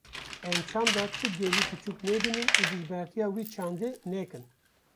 Em çanda ti gelî piçûk nebînin û dijbertiya wê çandê nekin.